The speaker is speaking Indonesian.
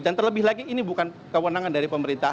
dan terlebih lagi ini bukan kewenangan dari pemerintah